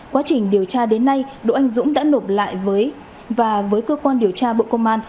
quá trình điều tra đến nay đỗ anh dũng đã nộp lại và với cơ quan điều tra bộ công an